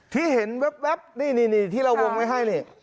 ที่เห็นแว๊บนี่ที่เราวงไว้ให้นี่